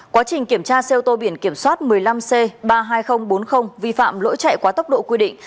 quá trình kiểm tra xe ô tô biển kiểm soát một mươi năm c ba mươi hai nghìn bốn mươi vi phạm lỗi chạy quá tốc độ quy định